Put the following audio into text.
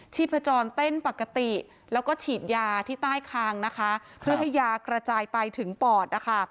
พจรเต้นปกติแล้วก็ฉีดยาที่ใต้คางนะคะเพื่อให้ยากระจายไปถึงปอดนะคะ